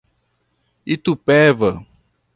Itupeva